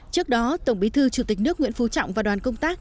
trước đó tổng bí thư chủ tịch nước nguyễn phú trọng và đoàn công tác